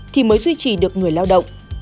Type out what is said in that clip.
thì mới duy trì được người lao động